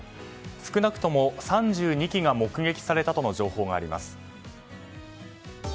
少なくとも３２機が目撃されたとの情報があります。